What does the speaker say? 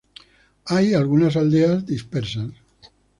Hay algunas aldeas dispersas.